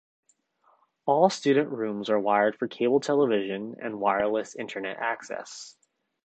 All student rooms are wired for cable television and Wireless Internet access.